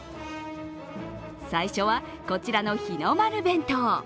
最初は、こちらの日の丸弁当。